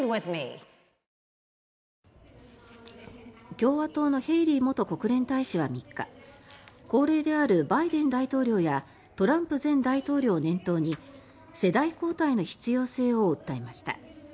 共和党のヘイリー元国連大使は３日高齢であるバイデン大統領やトランプ前大統領を念頭に世代交代の必要性を訴えました。